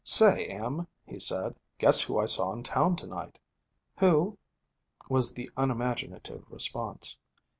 'Say, Em,' he said, 'guess who I saw in town to night?' 'Who?' was the unimaginative response.